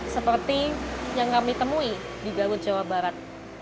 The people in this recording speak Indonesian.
seperti yang kami temui di garut jawa barat